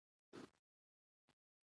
د ملل متحد او یا هم د